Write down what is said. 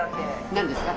何ですか？